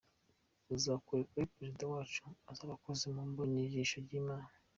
Uzakora kuri Perezida wacu azaba akoze mu mboni y’ijisho ry’Imana.